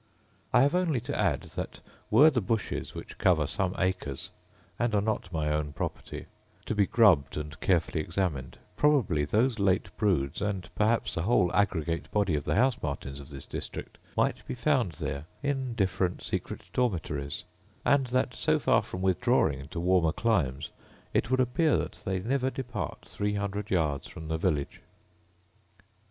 I have only to add that were the bushes, which cover some acres, and are not my own property, to be grubbed and carefully examined, probably those late broods, and perhaps the whole aggregate body of the house martins of this district, might be found there, in different secret dormitories; and that, so far from withdrawing into warmer climes, it would appear that they never depart three hundred yards from the village.